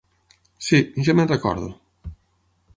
Sí, ja me'n recordo.